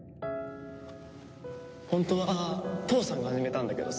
本当は父さんが始めたんだけどさ